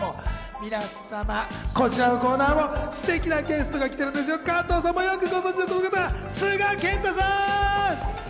皆様、こちらのコーナーもすてきなゲストが来てくれてるんですよ、加藤さんもよくご存知のこの方、須賀健太